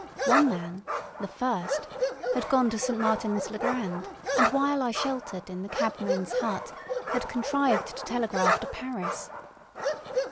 One man—the first—had gone to St. Martin's le Grand, and, while I sheltered in the cabmen's hut, had contrived to telegraph to Paris.